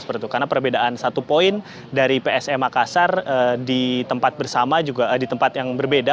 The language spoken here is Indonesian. karena perbedaan satu poin dari psm makassar di tempat yang berbeda